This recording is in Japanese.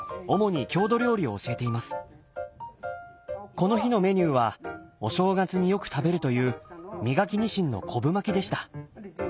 この日のメニューはお正月によく食べるという身欠きニシンの昆布巻きでした。